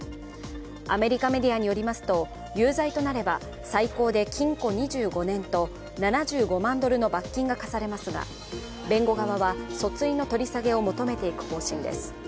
アメリカメディアによりますと有罪となれば最高で禁錮２５年と７５万ドルの罰金が科されますが弁護側は訴追の取り下げを求めていく方針です